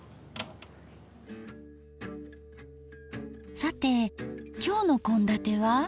さて今日の献立は？